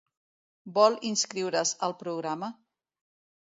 Vol inscriure's al programa?